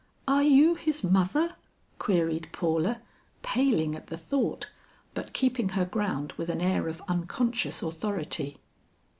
"Are you his mother?" queried Paula, paling at the thought but keeping her ground with an air of unconscious authority.